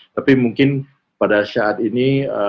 tapi mungkin pada saat ini